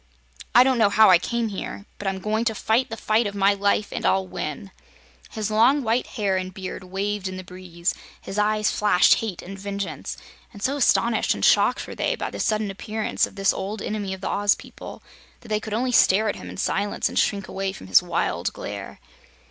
I don't know how I came here, but I'm going to fight the fight of my life and I'll win!" His long white hair and beard waved in the breeze; his eyes flashed hate and vengeance, and so astonished and shocked were they by the sudden appearance of this old enemy of the Oz people that they could only stare at him in silence and shrink away from his wild glare.